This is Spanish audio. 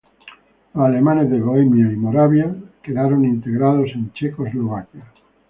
Los alemanes de Bohemia y Moravia quedaron integrados en Checoslovaquia.